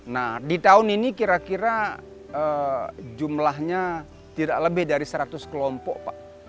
nah di tahun ini kira kira jumlahnya tidak lebih dari seratus kelompok pak